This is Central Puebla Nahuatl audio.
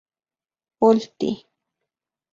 Olti.